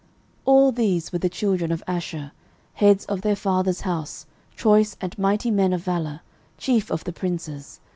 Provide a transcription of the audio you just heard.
13:007:040 All these were the children of Asher, heads of their father's house, choice and mighty men of valour, chief of the princes.